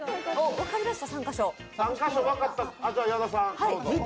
分かりました。